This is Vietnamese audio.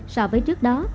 so với trước đó